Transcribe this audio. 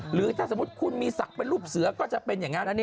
หรือถ้าสมมุติคุณมีศักดิ์เป็นรูปเสือก็จะเป็นอย่างนั้น